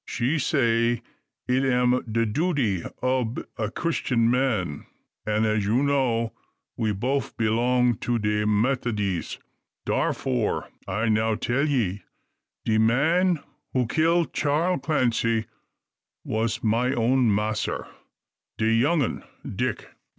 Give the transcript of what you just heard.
She say it am de duty ob a Christyun man, an', as ye know, we boaf b'long to de Methodies. Darfore, I now tell ye, de man who kill Charl Clancy was my own massr de young un Dick."